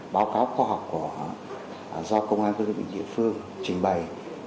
báo cáo khoa học của do công an cơ sở bệnh viện địa phương trình bày